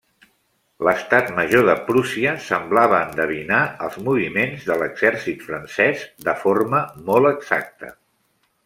L'estat major de Prússia semblava endevinar els moviments de l'exèrcit francès de forma molt exacta.